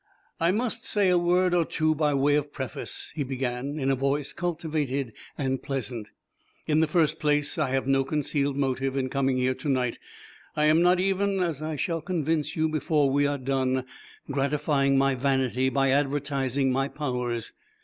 "I must say a word or two by way of preface," he began, in a voice cultivated and pleasant. "In the first place, I have no concealed motive in coming here to night. I am not even as I shall convince you before we are done gratifying my vanity by advertising my powers.